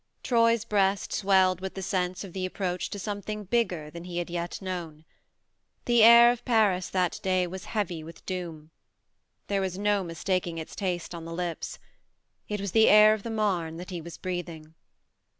Troy's breast swelled with the sense of the approach to something bigger than he had yet known. The air of Paris, that day, was heavy with doom. There was no mistaking its taste on the lips. It was the air of the Marne that he was breathing.